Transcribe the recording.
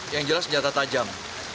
yang jelas senjata tajam